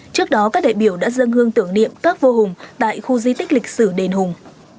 trước đó các đại biểu đã dâng hương tưởng niệm các vô hùng tại khu di tích lịch sử đền hùng